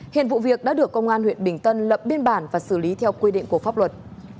hiện vụ việc đã được công an huyện bình tân lập biên bản và xử lý theo quy định của pháp luật